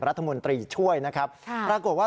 รัฐมนตรีช่วยนะครับปรากฏว่า